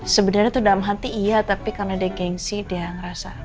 sebenarnya itu dalam hati iya tapi karena dia gengsi dia ngerasa